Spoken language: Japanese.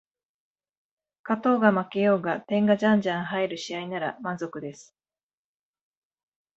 勝とうが負けようが点がじゃんじゃん入る試合なら満足です